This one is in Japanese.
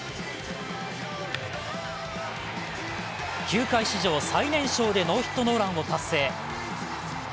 球団史上最年少でノーヒットノーランを達成。